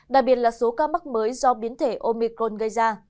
đặc biệt là số ca mắc mới do biến thể omicron gây ra